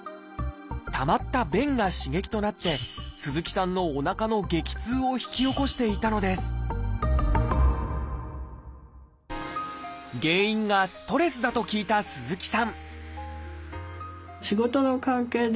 たまった便が刺激となって鈴木さんのおなかの激痛を引き起こしていたのです原因がストレスだと聞いた鈴木さん